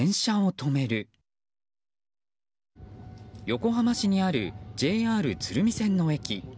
横浜市にあるＪＲ鶴見線の駅。